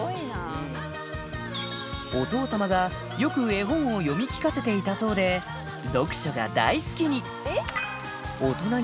お父様がよく絵本を読み聞かせていたそうで本も出してますよ。